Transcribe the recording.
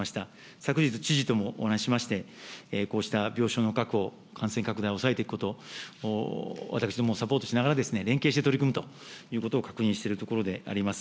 昨日、知事ともお話ししまして、こうした病床の確保、感染拡大を抑えていくこと、私どもサポートしながら、連携して取り組むということを確認しているところであります。